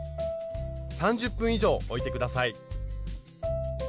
３０分以上おいて下さい。